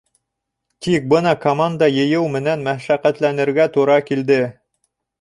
Тик бына команда йыйыу менән мәшәҡәтләнергә тура килде.